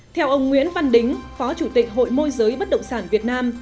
theo ông nguyễn văn đính phó chủ tịch hội môi giới bất động sản việt nam